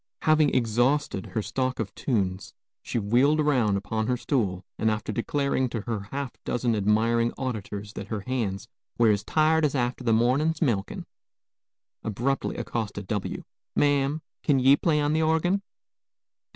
Having exhausted her stock of tunes, she wheeled around upon her stool, and after declaring to her half dozen admiring auditors that her hands were "as tired as after the mornin's milkin'" abruptly accosted W : "Ma'am, kin ye play on the orgin?"